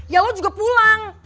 ya lo juga pulang